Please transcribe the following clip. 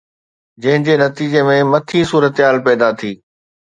جنهن جي نتيجي ۾ مٿين صورتحال پيدا ٿي